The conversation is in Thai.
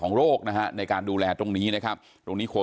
นี่นี่นี่นี่นี่นี่